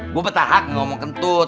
gua betahak ngomong kentut